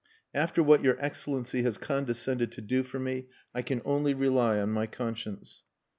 "After what your Excellency has condescended to do for me, I can only rely on my conscience."